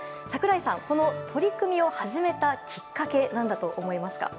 櫻井さん、この取り組みを始めたきっかけ何だと思いますか？